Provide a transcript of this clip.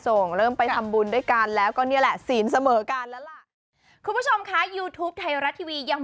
โอเคแล้วโปรดสารแล้วเริ่มไปรับไปส่ง